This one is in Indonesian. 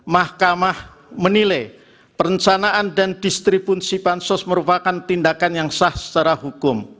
mahkamah menilai perencanaan dan distribusi bansos merupakan tindakan yang sah secara hukum